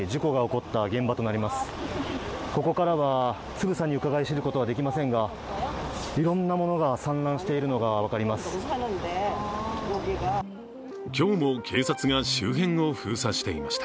ここからは、つぶさにうかがい知ることはできませんが、いろんなものが散乱しているのが分かります。